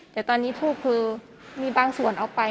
แต่ตอนนี้ทูบคือมีบางส่วนเอาไป